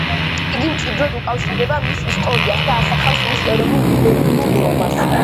იგი მჭიდროდ უკავშირდება მის ისტორიას და ასახავს მის ეროვნულ იდენტურობას.